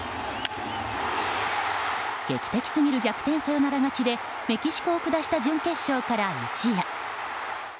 劇的すぎる逆転サヨナラ勝ちでメキシコを下した準決勝から一夜。